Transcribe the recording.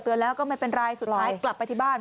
แล้วก็ไม่เป็นไรสุดท้ายกลับไปที่บ้าน